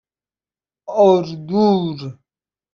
اردور